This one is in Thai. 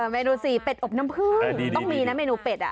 เมนูสิเป็ดอบน้ำพึ่งต้องมีนะเมนูเป็ด